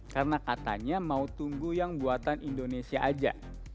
karena katanya mau tunggu yang buatan indonesia aja